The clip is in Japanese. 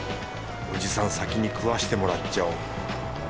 おじさん先に食わしてもらっちゃおう